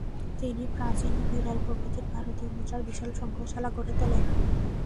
তিনি প্রাচীন ও বিরল প্রকৃতির ভারতীয় মুদ্রার বিশাল সংগ্রহশালা গড়ে তোলেন।